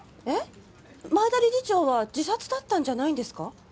前田理事長は自殺だったんじゃないんですか？